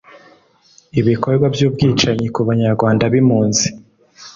ibikorwa by’ubwicanyi ku banyarwanda b’impunzi